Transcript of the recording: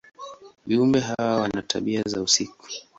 Viumbe hawa wana tabia za usiku.